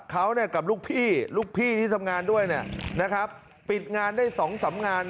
เค้ากับลูกพี่ที่ทำงานด้วยเนี่ยนะครับปิดงานได้๒๓งาน